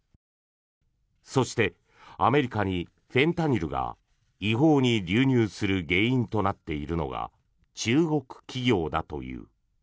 そして、アメリカにフェンタニルが違法に流入する原因となっているのが中国企業だという。